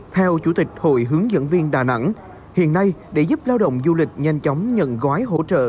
theo chủ tịch hội hướng dẫn viên đà nẵng hiện nay để giúp lao động du lịch nhanh chóng nhận gói hỗ trợ